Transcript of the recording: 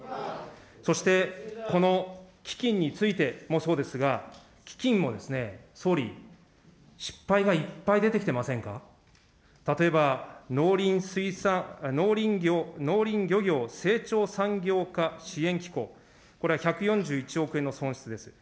そして、この基金についてもそうですが、基金も総理、失敗がいっぱい出てきてませんか。例えば、農林水産、農林漁業成長産業化支援機構、これは１４１億円の損失ですよ。